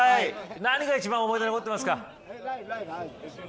何が一番思い出に残ってますか。